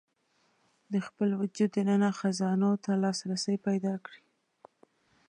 د خپل وجود دننه خزانو ته لاسرسی پيدا کړي.